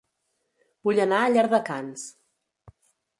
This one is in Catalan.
Vull anar a Llardecans